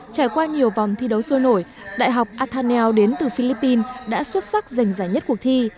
trải qua nhiều vòng thi đấu sôi nổi đại học athanel đến từ philippines đã xuất sắc giành giải nhất cuộc thi